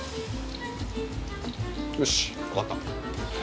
よし分かった。